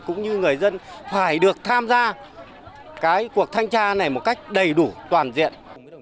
cũng như người dân phải được tham gia cái cuộc thanh tra này một cách đầy đủ toàn diện